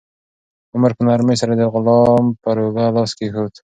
عمر په نرمۍ سره د غلام پر اوږه لاس کېښود.